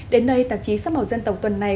đến nay tạp chí sắp bảo dân tộc tuần này